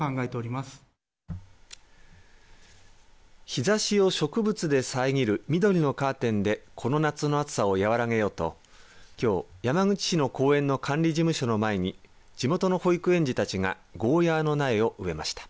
日ざしを植物でさえぎる緑のカーテンでこの夏の暑さを和らげようときょう、山口市の公園の管理事務所の前に地元の保育園児たちがゴーヤーの苗を植えました。